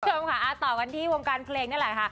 คุณผู้ชมค่ะต่อกันที่วงการเพลงนี่แหละค่ะ